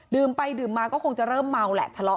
ดื่มไปดื่อมมาก็คงจะเทร่ามเมาซ์แหละ